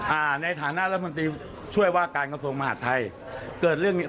อ่าในฐานะรัฐมนตรีช่วยว่าการกระทรวงมหาดไทยเกิดเรื่องนี้